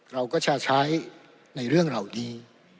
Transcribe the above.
เราก็ช่าในเรื่องเหล่านี้